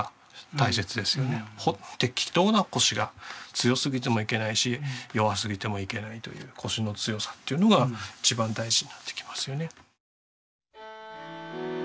強すぎてもいけないし弱すぎてもいけないというコシの強さというのが一番大事になってきますよね。